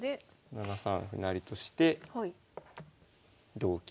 ７三歩成として同金。